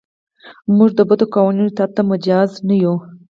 موږ د بدو قوانینو اطاعت ته مجاز نه یو.